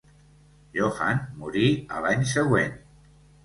Johann morir a l'any següent.